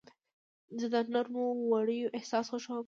زه د نرمو وړیو احساس خوښوم.